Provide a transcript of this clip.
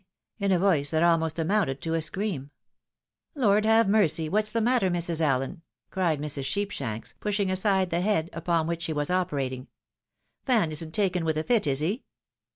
in a voice that almost amounted to a scream. " Lord have mercy ! what's the matter, Mrs. Allen ?" cried Mrs. Sheepshanks, pushing aside the head upon which she was operating, " Van isn't taken with a fit, is he